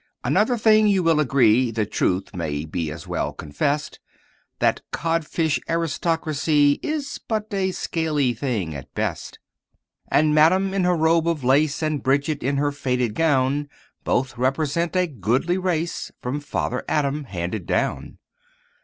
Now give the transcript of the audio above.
Another thing you will agree, (The truth may be as well confessed) That "Codfish Aristocracy" Is but a scaly thing at best. And Madame in her robe of lace, And Bridget in her faded gown, Both represent a goodly race, From father Adam handed down.